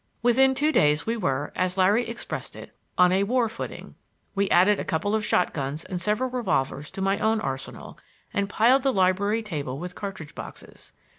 Within two days we were, as Larry expressed it, on a war footing. We added a couple of shot guns and several revolvers to my own arsenal, and piled the library table with cartridge boxes.